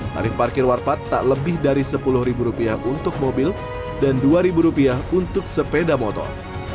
tarif parkir warpat tak lebih dari sepuluh ribu rupiah untuk mobil dan dua ribu rupiah untuk sepeda motor